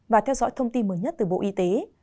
và theo dõi thông tin mới nhất từ bộ y tế